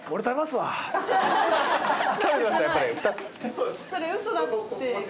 そうです。